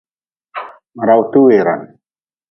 Ma rawte weran.